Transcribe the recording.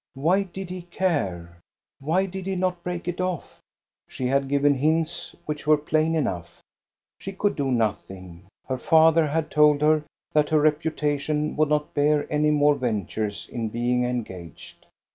Why did he care? Why did he not break it oflf? She had given hints which were plain enough. She could do nothing. Her father had told her that her reputation would not bear any more ventures in being engaged.